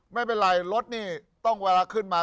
ไม่เป็นไรรถนี่ต้องเวลาขึ้นมา